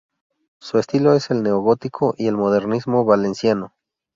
Su estilo es el neogótico y el modernismo valenciano.